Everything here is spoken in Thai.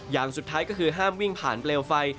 อย่างสุดท้ายก็คือห้ามวิ่งผ่านเปลวไฟ